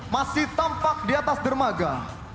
masih tampak diatas dermaga